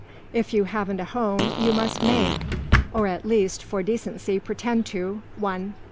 _ If you haven't a home you must make, or at least for decency pretend to, one.